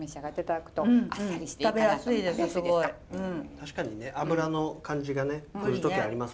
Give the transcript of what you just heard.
確かにね脂の感じがね来る時ありますもんね。